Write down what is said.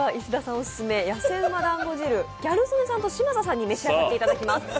オススメ、やせうまだんご汁、ギャル曽根さん嶋佐さんに召し上がっていただきます。